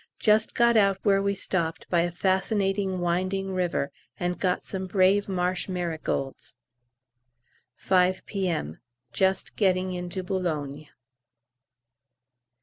Just got out where we stopped by a fascinating winding river, and got some brave marsh marigolds. 5 P.M. Just getting into Boulogne.